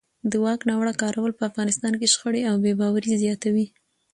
د واک ناوړه کارول په افغانستان کې شخړې او بې باورۍ زیاتوي